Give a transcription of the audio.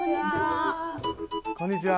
こんにちは。